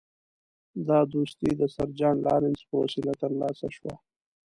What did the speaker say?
دا دوستي د سر جان لارنس په وسیله ترلاسه شوه.